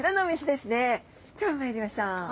では参りましょう。